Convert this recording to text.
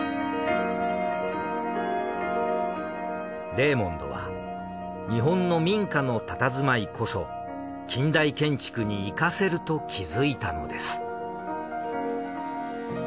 レーモンドは日本の民家の佇まいこそ近代建築に活かせると気づいたのです。